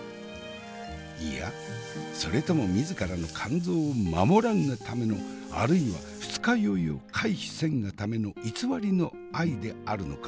いやそれとも自らの肝臓を守らんがためのあるいは二日酔いを回避せんがための偽りの愛であるのか？